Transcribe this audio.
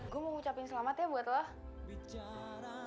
gue mau ngucapin selamat ya buat lo